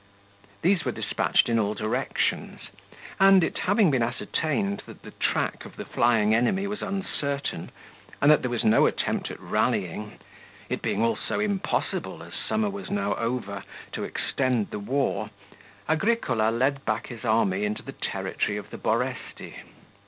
These were despatched in all directions; and it having been ascertained that the track of the flying enemy was uncertain, and that there was no attempt at rallying, it being also impossible, as summer was now over, to extend the war, Agricola led back his army into the territory of the Boresti.